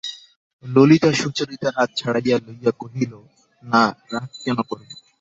ললিতা সুচরিতার হাত ছাড়াইয়া লইয়া কহিল, না, রাগ কেন করব?